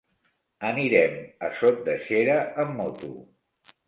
Anirem a Sot de Xera amb moto.